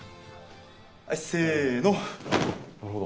せの。